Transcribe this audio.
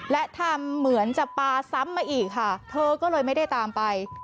และทำเหมือนจะปาซ้ำมาอีกค่ะเธอก็เลยไม่ได้ตามไป